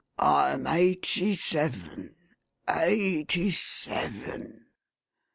I'm eigh ty seven. Eigh ty seven !